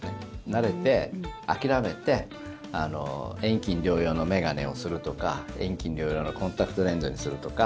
慣れて、諦めて遠近両用の眼鏡をするとか遠近両用のコンタクトレンズにするとか。